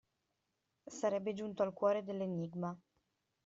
Sarebbe giunto al cuore dell'enigma.